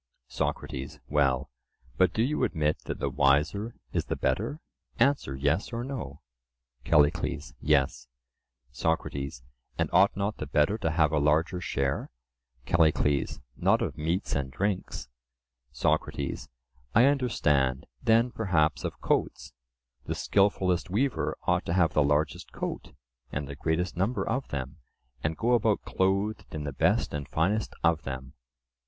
SOCRATES: Well, but do you admit that the wiser is the better? Answer "Yes" or "No." CALLICLES: Yes. SOCRATES: And ought not the better to have a larger share? CALLICLES: Not of meats and drinks. SOCRATES: I understand: then, perhaps, of coats—the skilfullest weaver ought to have the largest coat, and the greatest number of them, and go about clothed in the best and finest of them?